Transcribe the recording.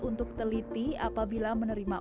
untuk teliti apabila menerima